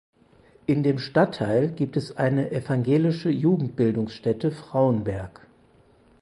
In dem Stadtteil gibt es eine "Evangelische Jugendbildungsstätte Frauenberg".